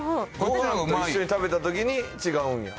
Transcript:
食べたときに違うんや？